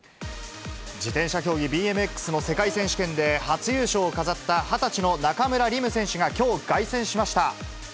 自転車競技、ＢＭＸの世界選手権で初優勝を飾った２０歳の中村輪夢選手が、きょう凱旋しました。